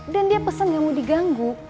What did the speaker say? dan dia pesen gak mau diganggu